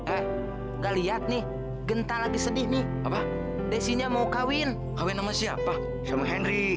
eh gak lihat nih genta lagi sedih nih apa desinya mau kawin kawin sama siapa sama henry